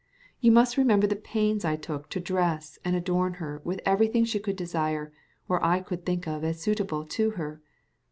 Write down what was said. You must remember the pains I took to dress and adorn her with everything she could desire or I could think of as suitable to her.